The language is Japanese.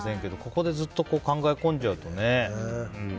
ここでずっと考え込んじゃうとね。